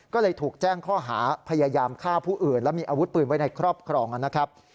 ก็เลยถูกแจ้งข้อหาพยายามฆ่าผู้อื่นและมีอาวุธปืนไว้ในครอบครองนะครับ